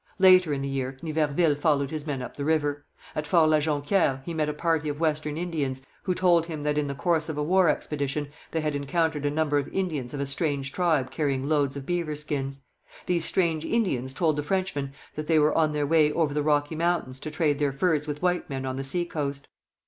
Later in the year Niverville followed his men up the river. At Fort La Jonquière he met a party of Western Indians, who told him that in the course of a war expedition they had encountered a number of Indians of a strange tribe carrying loads of beaver skins. These strange Indians told the Frenchmen that they were on their way over the Rocky Mountains to trade their furs with white men on the sea coast.